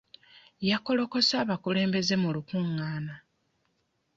Yakolokose abakulembeze mu lukungaana.